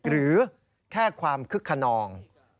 หรือแค่ความคึกขนอง